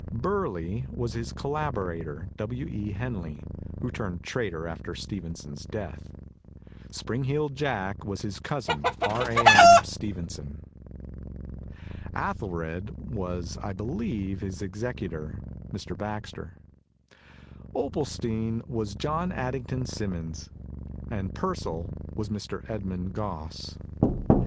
"Burly" was his collaborator, W. E. Henley, who turned traitor alter Stevenson's death. "Spring heel'd Jaek " was his cousin, R. A. M. Stevenson. "Athel 157 CONCERNING CONVERSATION red" was, I believe, his executor, Mr. Baxter; ''Opalstein" was John Adding ton Symonds, and "Purcell" was Mr. Edmund Gosse.